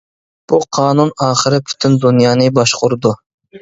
بۇ قانۇن ئاخىرى پۈتۈن دۇنيانى باشقۇرىدۇ.